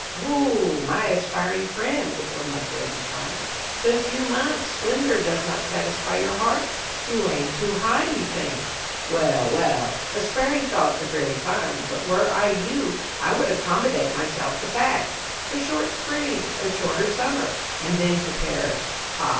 "Oh, my aspiring friend," the ill mouthed Raven cried, "the few months' splendour does not satisfy your heart! You aim too high, methinks. Well, well! aspiring thoughts are very fine; but were I you, I would accommodate myself to facts. A short spring, a shorter summer, and then to perish. Ha!